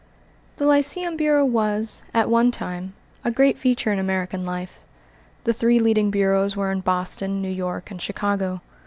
The Lyceum Bureau was, at one time, a great feature in American life. The three leading bureaus were in Boston, New York, and Chicago.